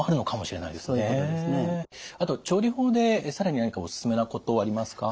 あと調理法で更に何かおすすめなことはありますか？